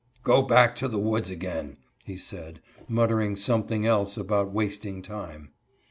'' Go back to the woods again," he said, muttering something else about wasting time.